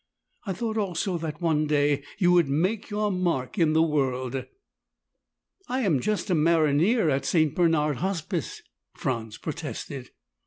I thought also that, one day, you would make your mark in the world." "I am just a maronnier at St. Bernard Hospice," Franz protested.